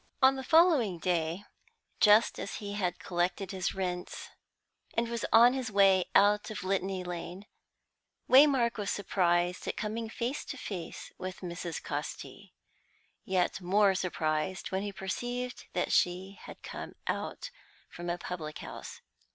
On the following day, just as he had collected his rents, and was on his way out of Litany Lane, Waymark was surprised at coming face to face with Mrs. Casti; yet more surprised when he perceived that she had come out from a public house.